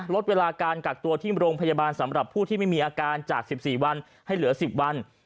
ลดเวลาการกักตัวที่โรงพยาบาลสำหรับผู้ที่ไม่มีอาการจาก๑๔วันให้เหลือ๑๐วัน